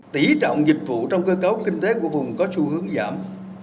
tỉ trọng dịch vụ trong cơ cấu kinh tế của vùng có xu hướng giảm